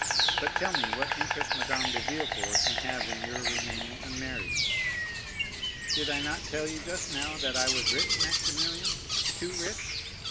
But tell me what interest Madame de Villefort can have in your remaining unmarried?" "Did I not tell you just now that I was rich, Maximilian—too rich?